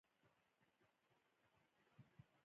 زه اوڅار د کوټي پوهنتون پښتو څانګي زدهکړيال یم.